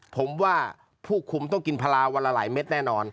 ผมว่าผู้คุมต้องกินพลาวันละหลายเม็ดแน่นอน